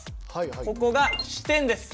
ここが支点です。